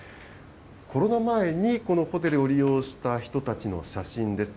コロナ前にこのホテルを利用した人たちの写真です。